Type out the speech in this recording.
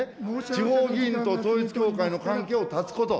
地方議員と統一教会の関係を断つこと。